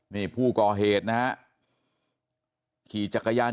นี่ผู้ก่อเหตุนะฮะ